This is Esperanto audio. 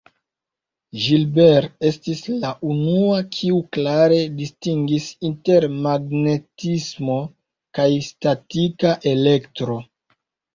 Gilbert estis la unua kiu klare distingis inter magnetismo kaj statika elektro.